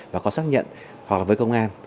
và có xác nhận hoặc là với công an